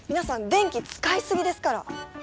電気使い過ぎですから！